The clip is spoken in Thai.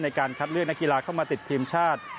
ในการคัดเลือกนักกีฬาเข้ามาติดทีมชาติ